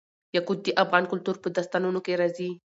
یاقوت د افغان کلتور په داستانونو کې راځي.